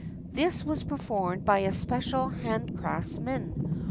This was performed by a special handicrafts man.